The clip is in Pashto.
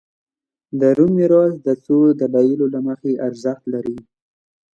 د روم میراث د څو دلایلو له مخې ارزښت لري